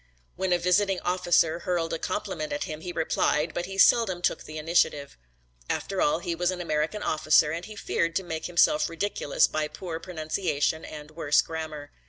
When a visiting officer hurled a compliment at him he replied, but he seldom took the initiative. After all he was an American officer and he feared to make himself ridiculous by poor pronunciation and worse grammar.